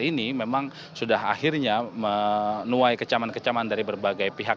ini memang sudah akhirnya menuai kecaman kecaman dari berbagai pihak